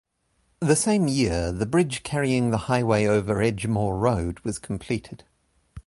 The same year, the bridge carrying the highway over Edgemoor Road was completed.